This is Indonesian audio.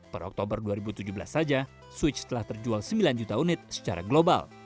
per oktober dua ribu tujuh belas saja switch telah terjual sembilan juta unit secara global